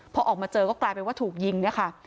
พอออกมาเจอก็กลายเป็นว่าถูกยิงเนี่ยค่ะ